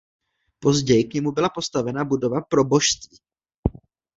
Později k němu byla postavena budova proboštství.